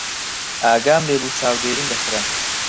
ئاگام لێ بوو چاودێریم دەکرا.